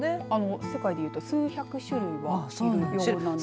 世界でいうと数百種類はいるようなんです。